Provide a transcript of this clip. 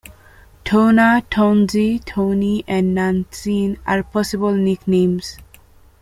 Tona, Tonzi, Toni, and Nantzin are possible nicknames.